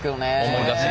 思い出す。